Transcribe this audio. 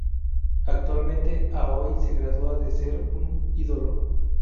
Actualmente, Aoi se gradúa de ser un ídolo.